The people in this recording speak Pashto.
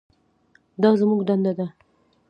دا زموږ دنده ده.